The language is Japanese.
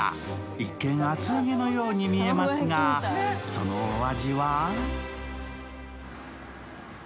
一見、厚揚げのように見えますが、そのお味？